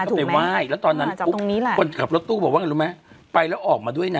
ไปพี่ก็ไปไหว้แล้วตอนนั้นคนขับรถตู้บอกว่าไปแล้วออกมาด้วยนะ